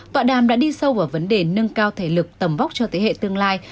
tọa đàm đã đi sâu vào vấn đề nâng cao thể lực tầm vóc cho thế hệ tương lai